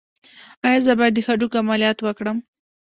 ایا زه باید د هډوکو عملیات وکړم؟